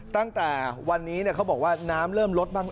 ตั้งแต่วันนี้เขาบอกว่าน้ำเริ่มลดบ้าง